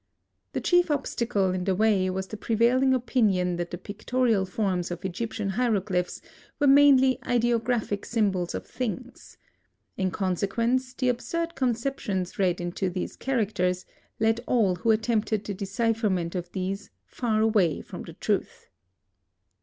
The chief obstacle in the way was the prevailing opinion that the pictorial forms of Egyptian hieroglyphs were mainly ideographic symbols of things. In consequence, the absurd conceptions read into these characters, led all who attempted the decipherment of these far away from the truth.